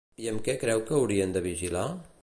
I amb què creu que haurien de vigilar?